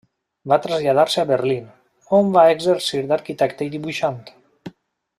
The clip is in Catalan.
Va traslladar-se a Berlín, on va exercir d'arquitecte i dibuixant.